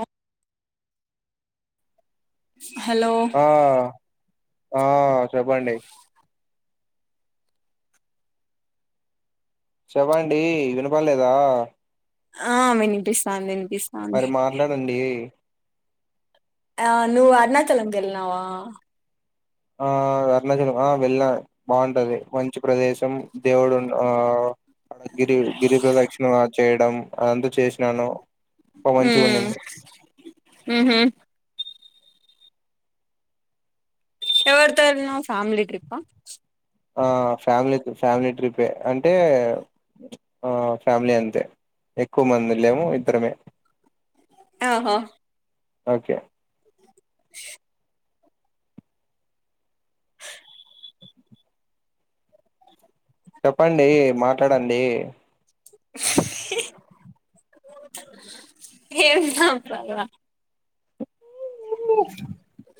అ hello ఆ ఆ చెప్పండి చెప్పండి వినపడలేదా ఆ వినిపిస్తాది వినిపిస్తాది మరి మాట్లాడండి ఆ నువ్వు అరుణాచలం కి వెళ్నావా ఆ అరుణాచలం ఆ వెళ్ళా బాగుంటది మంచి ప్రదేశం దేవుడు ఆ గిరి గిరిపదక్షిణ చేయడం అదంతా చేసినాను ఒ మంచిగా ఉమ్ ఉన్నింది ఉహు ఎవరితో వెళ్ళినావ్ ఫ్యామిలీ ట్రిప్ ఆ ఆ ఫ్యామిలీ ఫ్యామిలీ ట్రిప్యే అంటే ఆ ఫ్యామిలీ అంతే ఎక్కువ మంది లేము ఇద్దరమే ఆహో ఓకే చెప్పండి మాట్లాడండి ఏం చెప్పాలా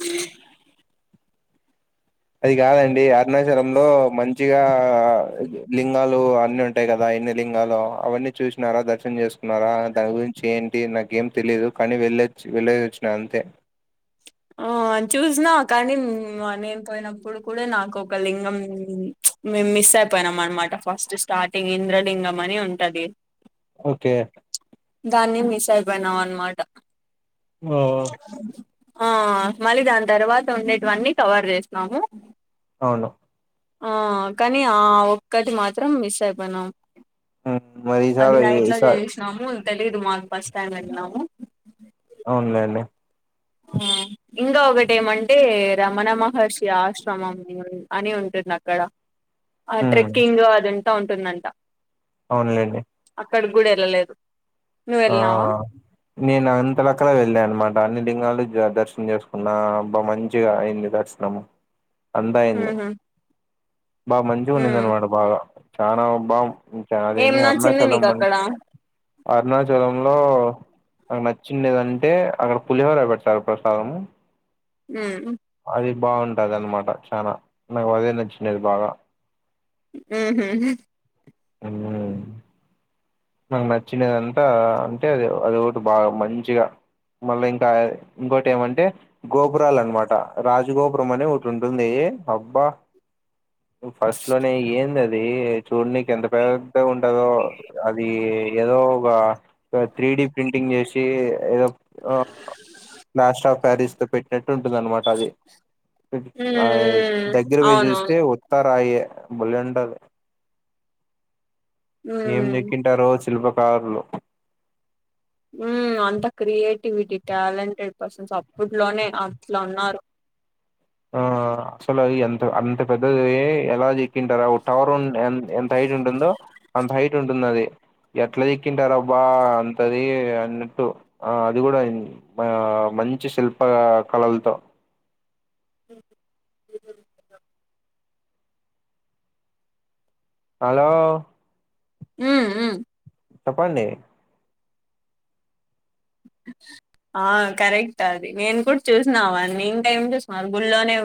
అ అది కాదండి అరుణాచలామ్లో మంచిగా లింగాలు అన్ని ఉంటాయి కదా ఎన్ని లింగా అవన్నీ చూసినారా దర్శనం చేసుకున్నారా దాని గురించి ఏంటి నాకు ఏం తెలియదు కానీ వెళ్ళచ్చ వెళ్ళొచ్చిన అంతే ఆ చూసినా కానీ నేను పోయినప్పుడు కూడా నాకు ఒక లింగం మిస్ మస్ అయిపోయినాం అనమాట ఫస్ట్ స్టార్టింగ్ ఇంద్రలింగం అని ఉంటది ఓకే దాన్ని మిస్ అయిపోయినాం అన్నమాట ఓ మళ్ళీ దాని తర్వాత ఉండేటివన్నీ కవర్ చేసన్నాాము అవును ఆ కానీ ఆ ఒక్కటి మాత్రం మిస్ అయిపోయినాం హ్మ్. మరి అది ఈసారి నైట్లా ఈసారి చేసినాము తెలీదు మాకు బస్టాండ్ వెళ్ళినాము అవునులేండి ఇంకా ఒకటేమంటే రమణ మహర్షి ఆశ్ ఆశ్రమం అని ఉంటుంది అక్కడ ఆ హ్మ్. ట్రెక్కింగ్ అదంతా ఉంటుందంట అవునులేండి అక్కడికి కూడా వెళ్ళలేదు నువ్వు ఆ వెళ్ళినావా నేను అంతలక్కడ వెళ్ళా అనమాట అన్ని లింగాలు దర్శనం చేసుకున్నా బా మంచిగా అయింది దర్శనము అంతా అయింది ఉహు బా మంచిగా ఉ ఉండింది అనమాట బాగా చానా బా ఇంకా ఏం అదేమి నచ్చింది అరుణాచలం నీకు అని అక్కడ అరుణాచలంలో అక్కడ నచ్చిండేదంటే అక్కడ పులిహోర పెడతారు ప్రసాదము హ్మ్ అది బావుంటది అన్నమాట చానా నాకు అదే నచ్చినది బాగా ఊహూ హ్మ్ నాకు నచ్చినదంతా అంటే అది అది ఒకటి బాగా మంచిగా మళ్ళీ ఇంకా ఇంకోటి ఏమంటే గోపురాల అన్నమాట రాజగోపురం అని ఒకటి ఉంటుంది ఉంటే అబ్బా ఫస్ట్ లోనే ఏంది అది చూడనీకి ఎంత పెద్దగా ఉంటదో అ అది ఏదో ఒక త్రీ డి ప్రింటింగ్ చేసి ఏదో ఆ ప్లాస్టర్ ఆఫ్ ప్యారిస్ తో పెట్టినట్టు ఉంటుంది అన్నమాట అది ఉ ఆ దగ్గర పోయి అవునవును చూస్తే ఉత్త రాయే భలేఉంటది ఉ ఏం చెక్కింటారో శిల్పకారులు హ్మ్ అంత క్రియేటివిటీ టాలెంటెడ్ పర్సన్స్ అప్పుట్లోనే అట్లా ఉన్నారు ఆ అసలు అది ఎంత అంత పెద్దది ఎలా చెక్కింటారో టవర్ ఎంత హైట్ ఉంటుందో అంత హైట్ ఉంటుంది అది ఎట్లా చెక్కింటార అబ్బా అంతది అన్నట్టు ఆ అది కూడా అయింది ఆ మంచి శిల్ప కళలతో హలో హ్మ్ మ్మ్ చెప్పండి ఆ కరెక్ట్ అది నేను కూడా చూసినా వాన్ని నేన్ టైం చూసినా గుళ్ళో నే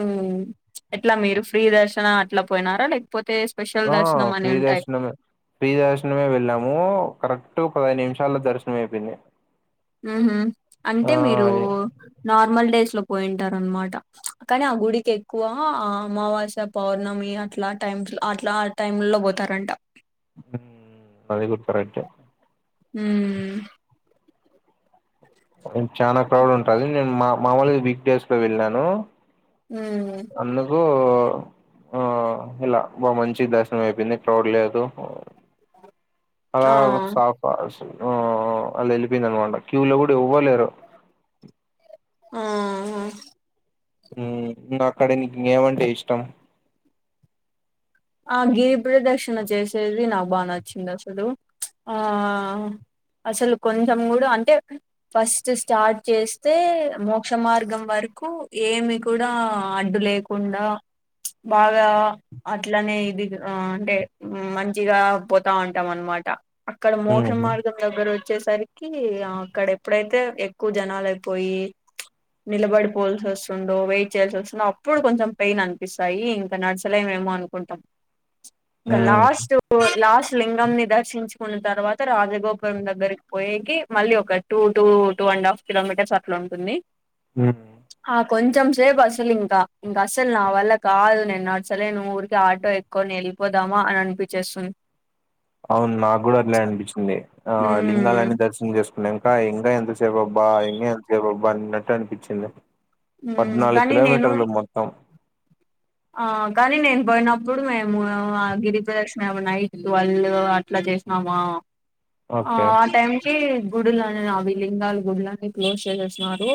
ఎట్లా మీరు ఫ్రీ దర్శన అట్లా పోయినారా లేకపోతే స్పెషల్ ఆ దర్శనం అని ఫ్రీ ఉంటాయి దర్శనమే ఫ్రీ దర్శనమే వెళ్ళాము కరెక్ట్ క్ట్ పది నిమిషాల్లో దర్శనం అయిపోయింది ఊహూ ఆ అంటే మీరు నార్మల్ డేస్ లో పోయింటార అన్నమాట కానీ ఆ గుడికి ఎక్కువ అమావాస్య పౌర్ణమి అట్లా టైం అట్లా ఆ టైమ్లో లో పోతారంట అది కూడా కరెక్ట్ హ్మ్ అక్కడ చానా క్రౌడ్ ఉంటుంది నేను మా మామూలుగా వీక్ డేస్ లో వెళ్ళాను ఉమ్ ఎందుకు ఆ ఇలా బా మంచి దర్శనం అయిపోయింది క్రౌడ్ లేదు ఆ అఆగు సాఫస్ ఓ ఆలు ఎలిపెన్ తర్వాత క్యూలో కూడ ఎవవలేరు ఆహా ఊ అక్కడ నీకు ఏం అంటే ఇష్టం ఆ గిరి ప్రదక్షిణ చేసేది నాకు బాగా నచ్చింది అసలు ఆ అసలు కొంచెం కూడా అంటే ఫస్ట్ స్టార్ట్ చేస్తే మోక్ష మార్గం వరకు కు ఏమి కూడా అడ్డు లేకుండా ప్చ్ బాగా అట్లనే ఇది అంటే మంచిగా పోతా అంటాం అనమాట అక్కడ మోసం మార్గం దగ్గర వచ్ వచ్చేసరికి అక్కడ ఎప్పుడైతే ఎక్కువ జనాలయిపోయి నిలబడి పోల్సి వస్తుండో వెయిట్ చేయాల్సి వస్తుండో అప్పుడు కొంచెం పెయిన్ అనిపిస్తాయి ఇంకా నడచలేమేమో అను ఉంటాం ఇంకా లాస్ట్ లాస్ట్ లింగం ని దర్శించుకున్న తర్వాత రాజగోపురం దగ్గరకి పోయకి మళ్ళీ ఒక two two two and half kilometres అలా ఉంటుంది ఊ కొంచం సేపు అసలు ఇంకా ఇంకా అసలు నా వళ్ళ కాదు నేన్ నడుసలేను ఊరు ఇగ ఆటో ఎక్కుకొని వెళ్ళిపోదామా అని అనిపిచేస్తుంది అవును నా కూడాూ అట్లనే అనిపించింది ఆ ఉమ్ లింగాలాన్ని దర్శనం చేసుకున్నా ఇంకా ఎందుక్ దె బాబ్బా ఇంక ఎంతసేపు బబ్బా అన్నట్టు అనిపించింది ఉమ్ పద్నాలుగు కానీ నేను కిలోమీటర్లు మొత్తం ఆ కానీ నేను పోయినప్పుడు మేము ఆ గిరి ప్రదక్ష మేము నైట్ ట్వల్ అట్లా చేసినామా ఆ ఓకే టైంకి గుడులనే అవి లింగాల గుడులన్న క్లోజ్ చేసేస్తున్నారు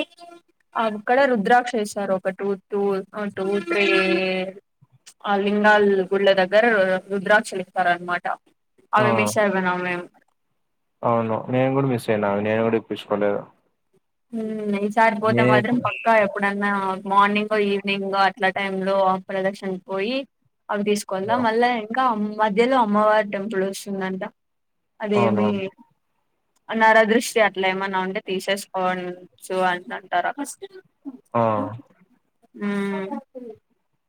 ఆక్కడ రుద్ర్రాక్ష ఏసారు ఒక టు టు ఆ టు త్రీ ఏడు ప్చ్ ఆ లింగాల్ గుళ్ల దగ్గర రుద్రాక్షలిస్తార అనమాట ఆ అవి మిస్ ఐ పోయినం మేం అవును నేను కూడా మిస్ అయినా నేను కూడా ఇప్పించుకోలేదు ఉమ్ ఈ సారి పోతే మాత్రం నేను పక్క ఎప్పుడన్నా మార్నింగ్ ఈవినింగ్ అట్లా టైమ్ లో ప్రదర్శన పోయి అవి తీసుకోళ్ల మళ్ళా ఇంకా మధ్యలో అమ్మవారి టెంపుల్ వస్తుందంట అవును అదేమి నర దృష్టి అట్లా ఏమన్నా ఉంటే తీసేసు వన్ చు అని అంట అంటార ఫస్ట్ ఆ ఊ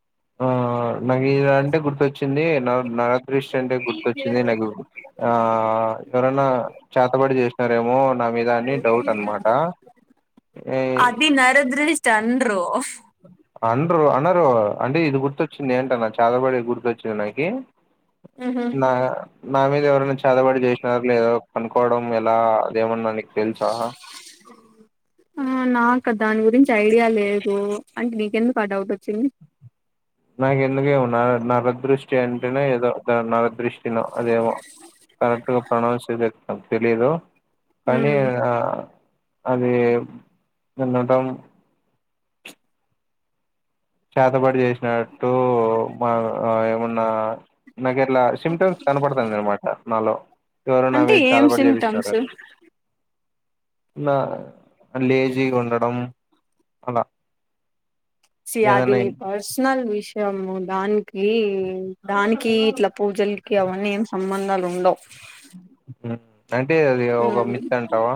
ఆ నాకు ఇడ అంటే గుర్తొచ్చింది నాక్ నాక్ బ్రష్ అంటే గుర్తొచ్చింది నాకు ఆ ఎవరైనా చేతబడి చేసినారేమో నా మీద అన్ని డౌట్ అనమాట ఈ చండ్రు అండ్రు అనరు అంటే ఇది గుర్తొచ్చింది అంటన చాతబడి గుర్తొచ్చింది నాకి ఉహు నా నా మీద ఎవరు చేతబడి చేసినారు లేద కనుకోవడం ఎలా అదేమన్నా నీకు తెల్సా ఆ నాకు దాని గురించి ఐడియా లేదు అంటే నీకెందుకు ఆ డౌట్ వ నాకు ఎందుకే నా నా నరదృష్టి అంటేనే ఏదో నరదృష్టినో అదేమో కరెక్ట్ గా ప్రణౌన్స్ ద తెలీయదు కానీ ఉమ్ అది ఉండటం చేతబడి చేసినట్టు మా ఏమన్నా నాక అట్లా సిమ్టమ్స్ కనపడతాంది అనమాట నాలో ఎవరన్న అంటే వోయి ఏం చాతబడి చేపిచినారా సిమ్టమ్స్ అని నా లేజి గా వుండడం అలా సీ ఆది ఏదన్నా నీ పర్సనల్ విష్ యము దానికి దానికి ఇట్లా పూజలకి అవన్నీ ఏం సంబంధాలు ఉండవు మ్ అంటే అది ఒక ఉమ్ మిత్ అంటావా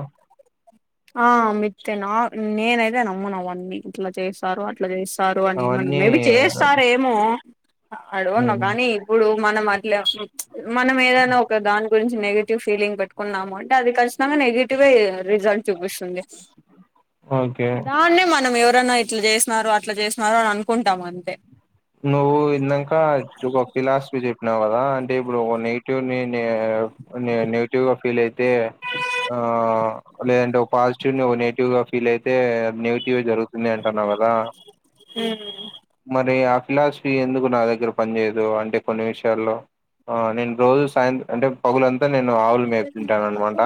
ఆ మిత్తె నా నేనైతే నమ్మను అవన్నీ ఇట్లా చేసారు అట్లా చేస్ రూ అని మనం అవన్నీ మేబి చేస్తారేమో ఐ డోంట్ నో ఉమ్, కాని ఇప్పుడు మనం అట్లా మనం ఏదైనా ఒక దాని గురించి నెగటివ్ ఫీలింగ్ పెట్టుకున్నాము అంటే అది ఖచ్చితంగా నెగెటివే రిజల్ట్ చూపిస్తుంది ఓకే దాన్నే మనం ఎ రన్నా ఇట్లా చేసినారు అట్ల చేసినారు అని అను నువ్వు ఇందాంక ఫిలాసఫీ చెప్ నావు కదా అంటే ఇప్పుడు నెగిటివ్ నీ నెగిటివ్ గా ఫీల్ అ తే ఆ లేదంటే ఒక పాజిటివ్ నెగ టివ్ గా ఫీల్ అయితే నెగిటివ్ జరుగుతుంది అంటన్నవ్ కదా మ్ మరి ఆ ఫిలాసఫీ ఎందుకు నా దగ్గర పని చేయదు అంటే కొన్ని విషయాల్లో ఆ నేను రోజు సాయంత్రం అంటే పగులంతా నేను ఆవులు మేపు తుంటాను అనమాట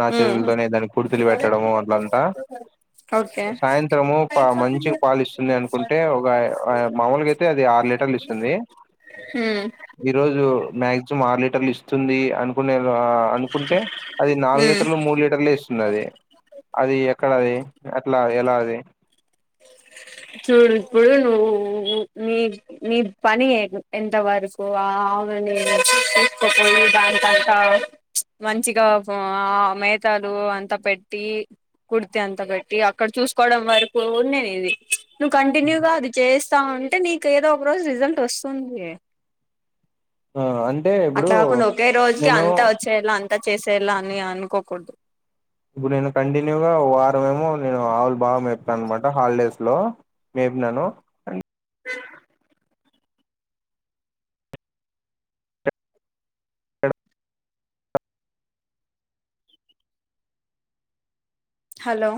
నా చేతులతోనే దానికి కుడితీలు పెట్టడము అట్లాంత ఓకే సాయంత్రము పా మంచి పాలిస్తుంది అనుకుంటే ఒక ఆ మామూలుగా అయితే అది ఆరు లీటర్లు ఇస్తుంది ఉమ్ ఈరోోజు మాక్సిమం ఆరు లీటర్లు ఇస్తుంది అనుకునే అనుకుంటే అది నాలుగు ఉమ్ లీటర్లు మూడు లీటర్లే ఇస్తుంది అది అది ఎక్కడది ఎట్లా ఎలా అది చూడు ఇప్పుడు నువ్వు మీ నీ పని ఎంత వరకు ఆ [unintelligible] మంచిగా ఆ మేతాలు అంత పెట్టి కుడితి అంతా పెట్టి అక్కడ చూసుకోవడం వరకు ఉంది నీది నువ్వు కంటిన్యూగా అది చేస్తావుంటే నీకు ఏదో ఒక రోజు రిజల్ట్ వస్తుంది ఆ అం అట్లా కాకుండా ఒకే రోజుకి అంతా వచ్చేలా అంతా చేసేయాలా అని అనుకోకూడదు ఇప్పుడు నేను కంటిన్యూగా వారమ ఏమో నేను ఆవులు బాగ మేప్తా అనమాట హాలిడేస్ లో మేబి నేను స హలో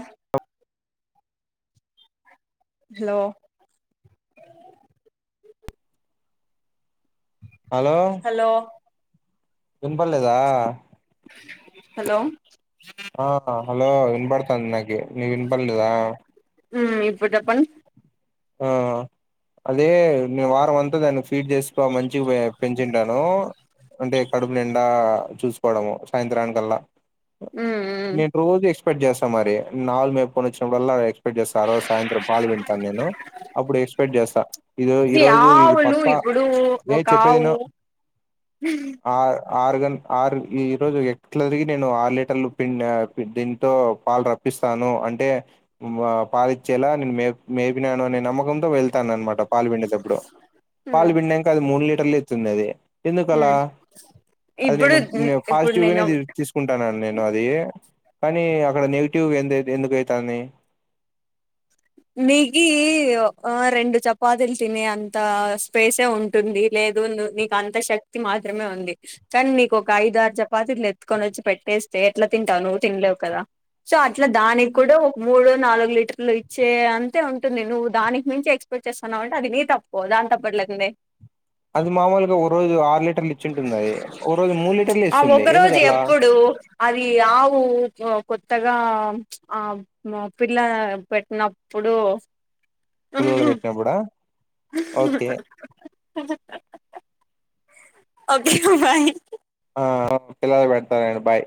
హలో హలో వినపడలేదా హలో ఆ హలో విన్బాడతాంది నాకి నీకు వినపల్లేద ఉమ్ ఇప్పుడు చెప్పండి ఆ అదే నేను వారం అంతా దాన్ని ఫీడ్ జేసి ప మంచిగ పెంచింటాను అంటే కడుపు నిండా చూసుకోవడము సాయంత్రానికల్లా నేన్ రోజు ఎక్స్పెక్ట్ చేస్తా మరి నాలుగు మేపుకొని వచ్చినప్పుడుల్లా ఎక్ పెట్టేస్తారు సాయంత్రం పాలు పిండుతాను నేను అప్పుడు ఎక్స్పెక్ట్ జేస్తా ఇది సి ఈరోజు ఇది ఆవులు పక్కా ఏ చెప్పేదినూ హ ఆరు గన్ ఆరు ఈ రోజు ఎట్లతిరిగి నేను ఆరు లీటర్లు పిండా దీంతో పాలు ర ప్పిస్తాను అంటే మా పాలిచ్చేలా నిన్ను మేప్ పినాను అనే నమ్మకంతో వెళ్తానన్నమాట పాలు పిండేటప్పుడు హ్మ్ పాలు పిండినంక అది మూడు లీటర్లే ఇత్ త్తుందది ఎందుకలా హ్మ్ అది ఇప్పుడు నేను ఇప్పుడు నేను పాజిటివ్గనే తి తీసుకుంటానను నేను అది కనీ అక్కడ నెగిటివ్ ఎందె ఎందుకయితాందది మీకి రెండు చపాతీలు తినే అంత స్పేసే ఉంటుంది లే లేగువుళ్లు నీకు అంత శక్తి మాత్రమే ఉంది, కనీ నీకు ఒక ఐదరు చపాతిలు ఎత్తుకొనొచ్చి పెట్టేస్ తె ఎట్ల తింటావు నువ్వు తినలేవు కదా సో అట్లా దానిక్కుడ ఒక మూడో నాలుగు లీటర్లు ఇచ్ చ్చే అంతే ఉంటుంది నువ్వు దానికి మించి ఎక్స్పెక్ట్ చేస్తున్నావంటే అది నీ తప్పు దాని తప్పేట్లైతుంది అది మామూలుగా ఓ రోజు ఆరు లీటర్లు ఇచ్చింటుందది, ఓ రోజు మూడు లీటర్లు ఆ ఇస్తుంది ఒక రోజు ఎందుకట్లా ఎప్పుడు అది ఆవు కొత్తగా ఇగా ఆ పిల్ల పెట్టినప్పుడు పిల్లలు పెట్టినప్పుడా ఓకే ఆఓ ఒకే బాయ్ ఆ ఆ పిల్లలను పెడ్తా బాయ్